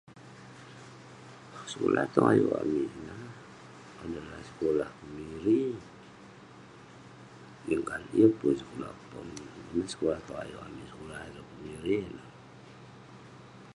Sekulah tong ayuk amik ineh adalah sekulah pemiri..yeng kalek.. yeng pun sekulah pom ineh, ineh sekulah tong ayuk amik ineh, sekulah pemiri neh..